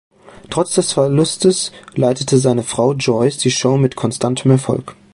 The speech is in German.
Trotz des Verlustes leitete seine Frau Joyce die Show mit konstantem Erfolg.